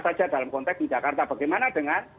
saja dalam konteks di jakarta bagaimana dengan